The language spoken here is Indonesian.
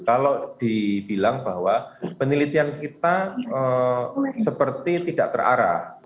kalau dibilang bahwa penelitian kita seperti tidak terarah